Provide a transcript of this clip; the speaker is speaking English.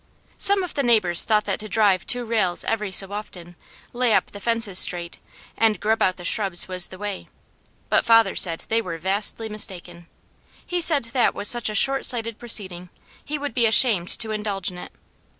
Some of the neighbours thought that to drive two rails every so often, lay up the fences straight, and grub out the shrubs was the way, but father said they were vastly mistaken. He said that was such a shortsighted proceeding, he would be ashamed to indulge in it.